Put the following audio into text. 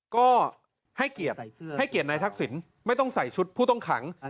ก็ให้เกียรติให้เกียรตินายทักษิณไม่ต้องใส่ชุดผู้ต้องขัง